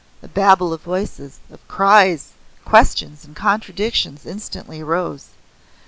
A babel of voices, of cries, questions and contradictions instantly arose.